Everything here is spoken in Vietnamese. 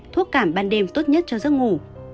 thuốc cảm ban đêm tốt nhất cho giấc ngủ